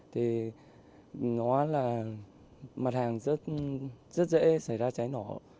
thì nó là mặt hàng rất dễ xảy ra cháy nổ